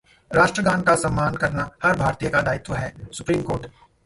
राष्ट्रगान का सम्मान करना हर भारतीय का दायित्व है - सुप्रीम कोर्ट